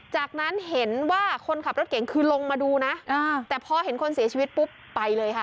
จากนั้นเห็นว่าคนขับรถเก่งคือลงมาดูนะแต่พอเห็นคนเสียชีวิตปุ๊บไปเลยค่ะ